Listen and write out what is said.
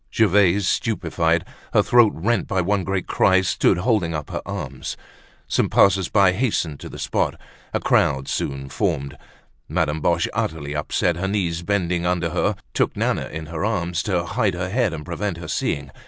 Gervaise, stupefied, her throat rent by one great cry, stood holding up her arms. Some passers by hastened to the spot; a crowd soon formed. Madame Boche, utterly upset, her knees bending under her, took Nana in her arms, to hide her head and prevent her seeing.